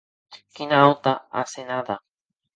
Quina auta asenada!